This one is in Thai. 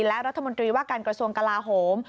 และรัฐมนตรีว่าการกระทรวงกลาโหม